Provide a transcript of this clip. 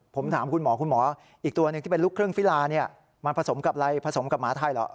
ผมถามคุณหมอคุณหมออีกตัวหนึ่งที่เป็นลูกครึ่งฟิลาเนี่ยมันผสมกับอะไรผสมกับหมาไทยเหรอ